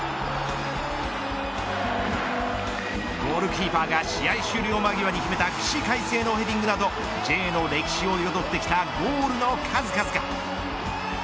ゴールキーパーが試合終了間際に決めた起死回生のヘディングなどＪの歴史を彩ってきたゴールの数々が。